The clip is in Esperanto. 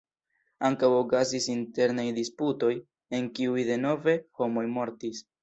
Ankaŭ okazis internaj disputoj, en kiuj denove homoj mortis.